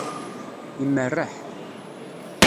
Imerreḥ.